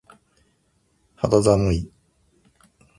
肌寒い。